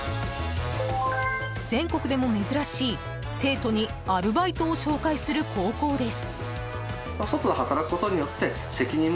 全国でも珍しい、生徒にアルバイトを紹介する高校です。